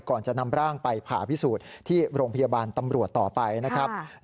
ก่อนจะนำร่างไปผ่าพิสูจน์ที่โรงพยาบาลตำรวจต่อไปนะครับ